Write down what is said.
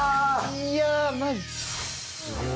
いやマジ？